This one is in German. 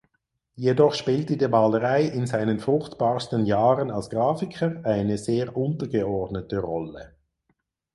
Jedoch spielte die Malerei in seinen fruchtbarsten Jahren als Grafiker eine sehr untergeordnete Rolle.